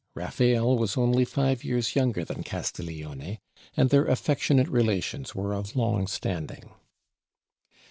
Raffael was only five years younger than Castiglione, and their affectionate relations were of long standing.